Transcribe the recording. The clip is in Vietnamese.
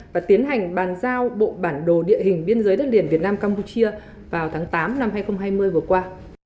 và tiến hành bàn giao bộ bản đồ địa hình biên giới đất liền việt nam campuchia vào tháng tám năm hai nghìn hai mươi vừa qua